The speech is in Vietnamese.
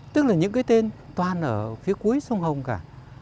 tức là những cái tên toàn ở phía cuối sông hồng cả